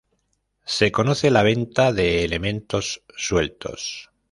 Se conoce la venta de elementos sueltos.